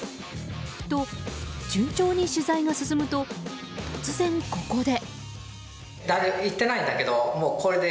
と、順調に取材が進むと突然、ここで。